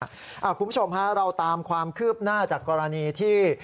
คุณผู้ชมฮะเราตามความคืบหน้าจากกรณีที่